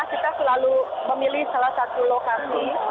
kita selalu memilih salah satu lokasi